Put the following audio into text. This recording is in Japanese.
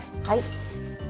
はい。